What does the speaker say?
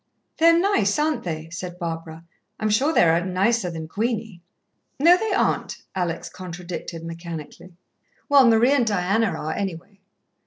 "They are nice, aren't they?" said Barbara. "I'm sure they are nicer than Queenie." "No, they aren't," Alex contradicted mechanically. "Well, Marie and Diana are, anyway."